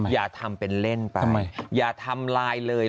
อย่าทำเป็นเล่นไปอย่าทำลายเลย